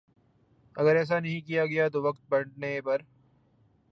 اگر ایسا نہیں کیا گیا تو وقت پڑنے پر